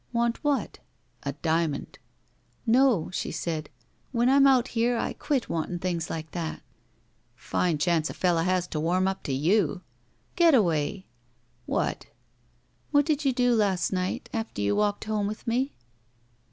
"Want what?" "A diamond." "No," she said. "When I'm out here I quit wanting things like that." "Fine chance a fellow has to warm up to you!" "Getaway! " "What?" "What did you do last night, after you walked home with me?"